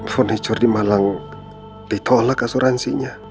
furniture di malang ditolak asuransinya